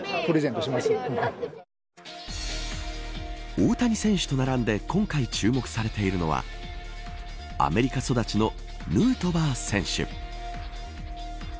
大谷選手と並んで今回、注目されているのはアメリカ育ちのヌートバー選手。